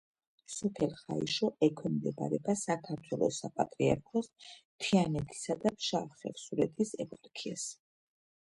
სოფელი ხაიშო ექვემდებარება საქართველოს საპატრიარქოს თიანეთისა და ფშავ-ხევსურეთის ეპარქიას.